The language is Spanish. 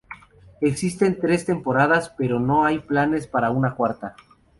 Existen tres temporadas, pero no hay planes para una cuarta.